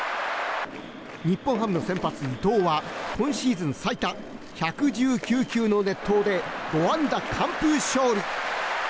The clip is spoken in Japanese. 日本ハム先発、伊藤は今シーズン最多１１９球の熱投で５安打完封勝利。